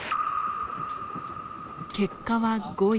結果は５位。